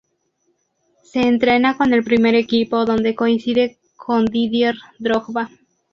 Se entrena con el primer equipo donde coincide con Didier Drogba.